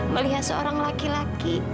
melihat seorang laki laki